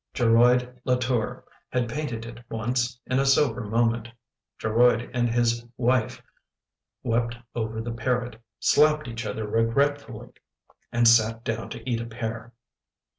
" Geroid Latour had painted it once, in a sober moment. Geroid and his wife wept over the parrot; slapped each other regretfully; and sat down to eat a pear.